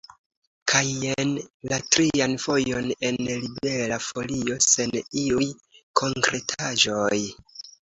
Kaj jen la trian fojon en Libera Folio sen iuj konkretaĵoj.